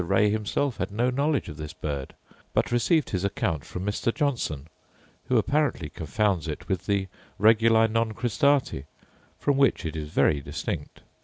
Ray himself had no knowledge of this bird, but received his account from Mr. Johnson, who apparently confounds it with the reguli non cristati, from which it is very distinct.